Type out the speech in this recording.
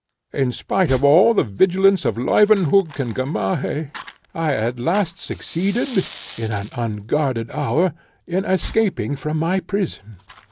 In spite of all the vigilance of Leuwenhock and Gamaheh, I at last succeeded, in an unguarded hour, in escaping from my prison.